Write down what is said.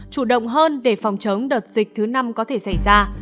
chủ động hơn để phòng chống đợt dịch thứ năm có thể xảy ra